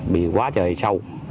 bị quá trời sâu